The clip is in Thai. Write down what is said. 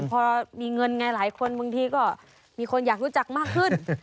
พอมีเงินไงหลายคนบางทีก็มีคนอยากรู้จักมากขึ้น